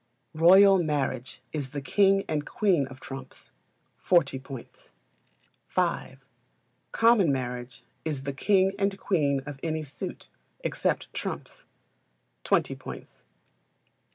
Royal Marriage is the king and queen of trumps 40 points. v. Common Marriage is the king and queen of any suit, except trumps 20 points.